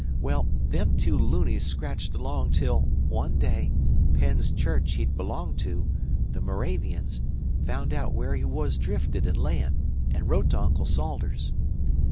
Well, them two loonies scratched along till, one day, Penn's church he'd belonged to the Moravians found out where he wuz drifted an' layin', an' wrote to Uncle Salters.